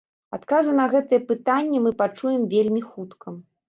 Адказы на гэтыя пытанні мы пачуем вельмі хутка.